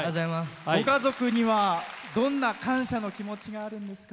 ご家族には、どんな感謝の気持ちがあるんですか？